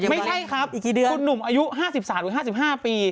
ไม่ใช่ครับคุณหนุ่มอายุ๕๓หรือ๕๕ปี